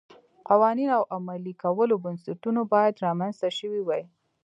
قوانین او د عملي کولو بنسټونه باید رامنځته شوي وای